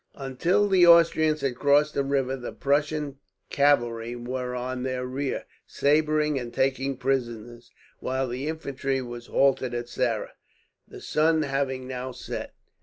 Until the Austrians had crossed the river the Prussian cavalry were on their rear, sabring and taking prisoners, while the infantry were halted at Saara, the sun having now set.